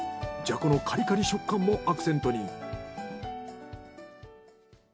じゃこのカリカリ食感もアクセントに。